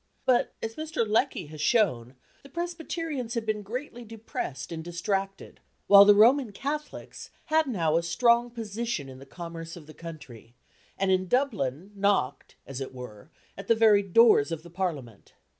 But, as Mr. Lecky has shown, the Presbyterians had been greatly depressed and distracted, while the Roman Catholics had now a strong position in the commerce of the country, and in Dublin knocked, as it were, at the very doors of the Parliament.